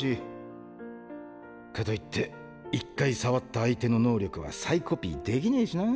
かといって１回触った相手の能力は再コピーできねぇしな。